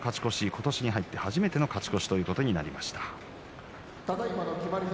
今年に入って初めての勝ち越しということになりました。